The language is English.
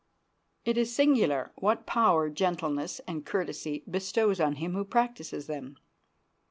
It is singular what power gentleness and courtesy bestows on him who practices them.